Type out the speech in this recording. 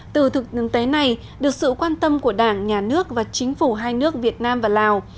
từ thực tế này được sự quan tâm của đảng nhà nước và chính phủ hai nước việt nam và lào